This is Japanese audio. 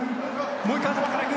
もう１回頭からいく。